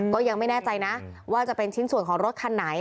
ก็ยังไม่แน่ใจนะว่าจะเป็นชิ้นส่วนของรถคันไหน